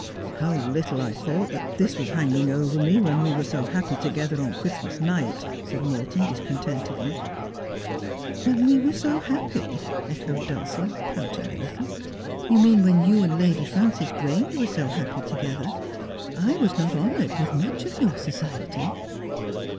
' How little I thought this was hanging over me when we were so happy together on Christmas night !' said Morton dis contentedly. ' When we were so happy,' echoed Dulcie, poutiug a little. ' You mean when you and Lady Frances Grange were so happy together. I was not honoured with much of your society.'